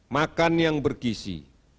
makan yang bergisi